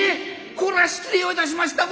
これは失礼をいたしました。